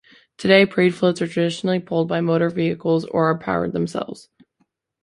Today, parade floats are traditionally pulled by motor vehicles or are powered themselves.